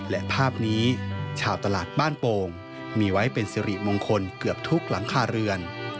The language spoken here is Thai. และภาพนี้ชาวตลาดบ้านโป่งมีไว้เป็นสิริมงคลเกือบทุกหลังคาเรือน